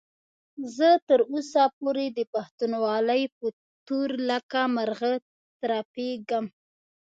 زه تر اوسه پورې د پښتونولۍ په تور لکه مرغه ترپېږم.